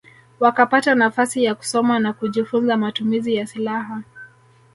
Wakapata nafasi ya kusoma na kujifunza matumizi ya silaha